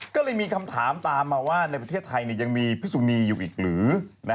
ก็เลยมีคำถามตามมาว่าในประเทศไทยยังมีพิสุนีอยู่อีกหรือ